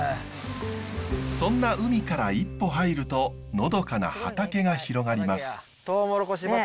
そんな海から一歩入るとのどかな畑が広がります。